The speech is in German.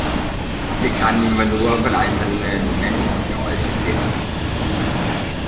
Sie kann immer nur von einzelnen Menschen geäußert werden.